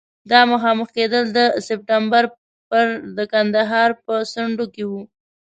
دا مخامخ کېدل د سپټمبر پر د کندهار په څنډو کې وو.